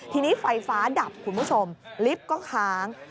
ทีนี้ไฟฟ้าดับคุณผู้ชมลิฟต์ก็ค้าง